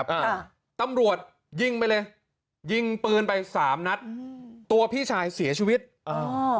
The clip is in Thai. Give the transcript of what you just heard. ค่ะตำรวจยิงไปเลยยิงปืนไปสามนัดอืมตัวพี่ชายเสียชีวิตอ่า